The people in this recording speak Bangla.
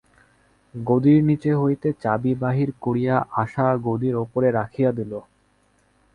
গদির নীচে হইতে চাবি বাহির করিয়া আশা গদির উপরে রাখিয়া দিল।